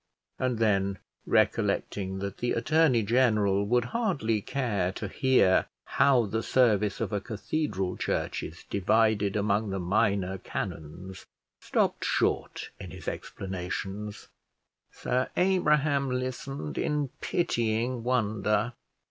And then, recollecting that the attorney general would hardly care to hear how the service of a cathedral church is divided among the minor canons, stopped short in his explanations. Sir Abraham listened in pitying wonder.